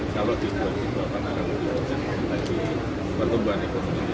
kalau di dua ribu dua puluh dua pakarang di pertumbuhan ekonomi